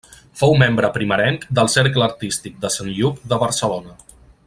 Fou membre primerenc del Cercle Artístic de Sant Lluc de Barcelona.